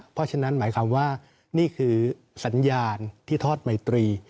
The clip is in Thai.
เพราะฉะนั้นหมายความว่านี่คือสัญญาณที่ทอดไมตรี